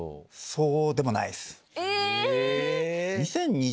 そうでもないです。